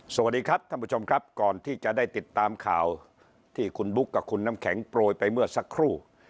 สวัสดีครับท่านผู้ชมครับก่อนที่จะได้ติดตามข่าวที่คุณบุ๊คกับคุณน้ำแข็งโปรยไปเมื่อสักครู่